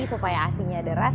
supaya asiknya deras